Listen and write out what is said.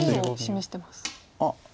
あっ。